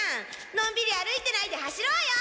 のんびり歩いてないで走ろうよ！